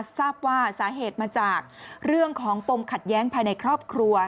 ทราบว่าสาเหตุมาจากเรื่องของปมขัดแย้งภายในครอบครัว